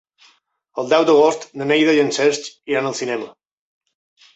El deu d'agost na Neida i en Cesc iran al cinema.